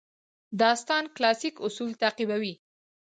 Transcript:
داستان کلاسیک اصول تعقیبوي.